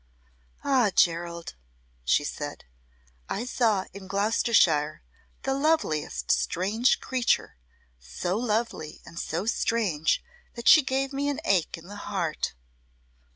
"Ah, Gerald," she said, "I saw in Gloucestershire the loveliest strange creature so lovely and so strange that she gave me an ache in the heart."